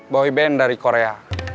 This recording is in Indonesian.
boyband dari korea